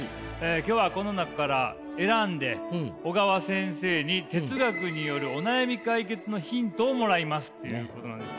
今日はこの中から選んで小川先生に哲学によるお悩み解決のヒントをもらいますということなんです。